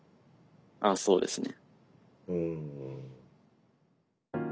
ああそうですね。